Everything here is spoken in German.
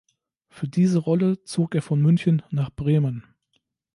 Für diese Rolle zog er von München nach Bremen.